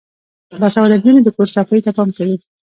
باسواده نجونې د کور صفايي ته پام کوي.